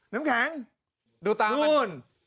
นู้น